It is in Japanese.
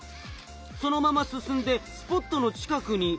そのまま進んでスポットの近くに。